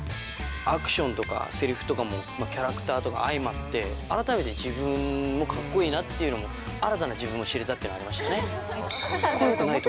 アクションとかせりふとかも、キャラクターとか相まって、改めて自分もかっこいいなっていうのも、新たな自分を知れたっていうのはありましたね。